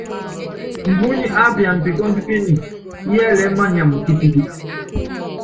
Mbúnyi ápiana pikɔ́ndɔ píni, yɛ́lɛɛ́ manyam kitikit.